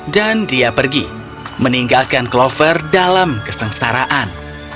dan dia pergi meninggalkan clover dalam kesengsaraan